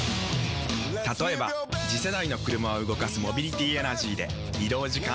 例えば次世代の車を動かすモビリティエナジーでまジカ⁉人間！